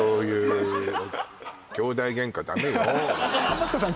マツコさん